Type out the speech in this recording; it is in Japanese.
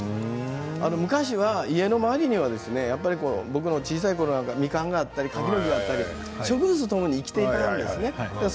昔は家の周りには僕の小さいころなんかはみかんがあったり柿の木があったり植物とともに生きていたんですね。